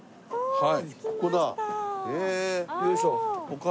はい。